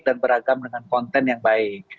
dan juga untuk mendapatkan konten yang baik